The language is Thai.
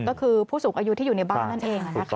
ก็คือผู้สูงอายุที่อยู่ในบ้านนั่นเอง